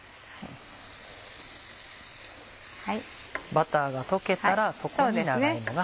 バターが溶けたらそこに長芋が入ります。